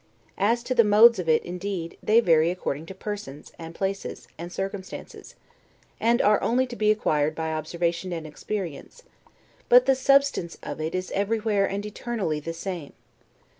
As to the modes of it, indeed, they vary according to persons, and places, and circumstances; and are only to be acquired by observation and experience: but the substance of it is everywhere and eternally the same.